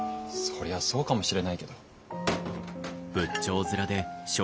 そりゃそうかもしれないけど。